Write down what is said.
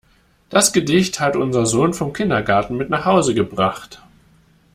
Das Gedicht hat unser Sohn vom Kindergarten mit nach Hause gebracht.